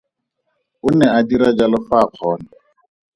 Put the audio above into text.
O ne a dira jalo fa a kgona.